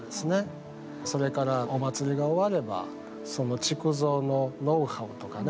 それからお祭りが終わればその築造のノウハウとかね